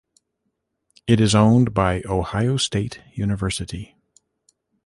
It is owned by Ohio State University.